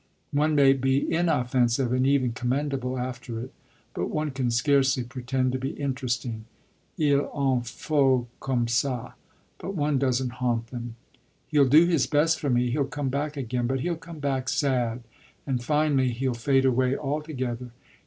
One may be inoffensive and even commendable after it, but one can scarcely pretend to be interesting. 'Il en faut comme ça,' but one doesn't haunt them. He'll do his best for me; he'll come back again, but he'll come back sad, and finally he'll fade away altogether.